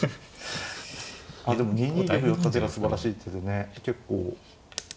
ああでも２二玉寄った手がすばらしい手でね結構。